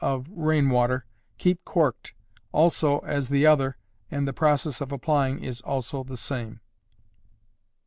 of rain water, keep corked, also, as the other, and the process of applying is also the same.